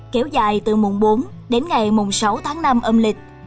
kéo dài từ mùng bốn đến ngày mùng sáu tháng năm âm lịch